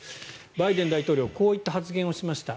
バイデン大統領はこういった発言をしました。